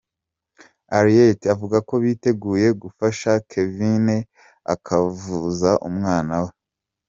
Henriette avuga ko biteguye gufasha Kevin akavuza umwana we.